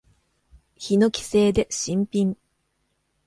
ヒノキ製で新品。